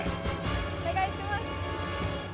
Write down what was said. お願いします。